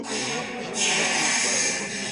زه به سبا کالي وچوم،